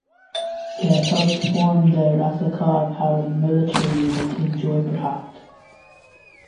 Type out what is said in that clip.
He had helped form the Razakar paramilitary unit in Joypurhat.